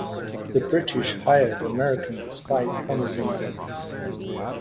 The British hired Americans despite promising otherwise.